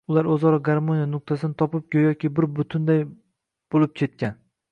U oʻzaro garmoniya nuqtasini topib goʻyoki bir butunday boʻlib ketgan.